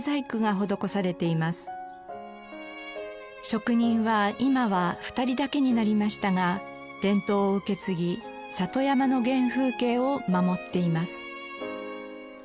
職人は今は２人だけになりましたが伝統を受け継ぎ里山の原風景を守っています。